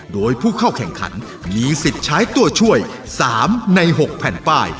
โดยผู้เข้าแข่งขันมีสิทธิ์ใช้ตัวช่วย๓ใน๖แผ่นป้าย